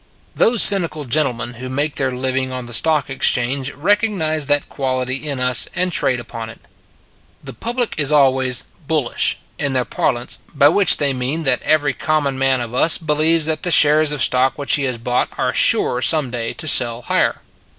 Those cynical gentlemen who make their living on the stock exchange recognize that quality in us and trade upon it. The public is always " bullish," in their par lance by which they mean that every common man of us believes that the shares of stock which he has bought are sure some day to sell higher.